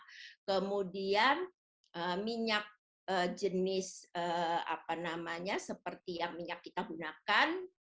nah kemudian minyak jenis seperti yang kita gunakan